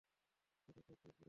সেটাতে টোল পড়ে গেছে।